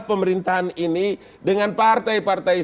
pemerintahan ini dengan partai partai